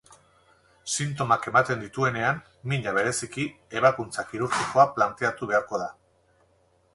Sintomak ematen dituenean, mina bereziki, ebakuntza kirurgikoa planteatu beharko da.